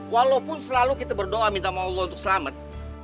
walaupun selalu kita berdoa minta allah untuk selamat